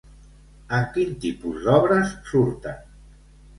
En quin tipus d'obres surten?